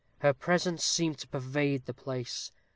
Her presence seemed to pervade the place.